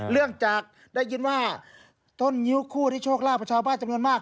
เนื่องจากได้ยินว่าต้นงิ้วคู่ที่โชคลาภชาวบ้านจำนวนมาก